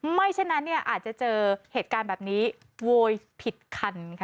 ฉะนั้นเนี่ยอาจจะเจอเหตุการณ์แบบนี้โวยผิดคันค่ะ